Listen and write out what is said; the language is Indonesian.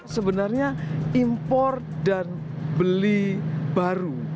sebenarnya impor dan beli baru